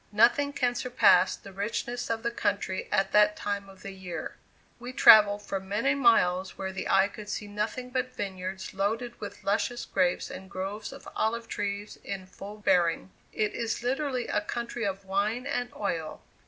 Nothing can surpass the richness of the country at that time of the year. We travelled for many miles where the eye could see nothing but vineyards loaded with luscious grapes and groves of olive trees in full bearing. It is literally a country of wine and oil.